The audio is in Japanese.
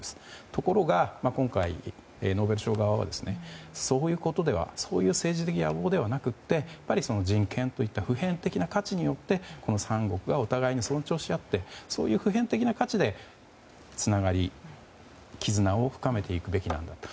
ところが今回、ノーベル賞側はそういう政治的野望ではなく人権といった普遍的な価値によってこの三国がお互いに尊重し合ってそういう普遍的な価値でつながり絆を深めていくべきだと。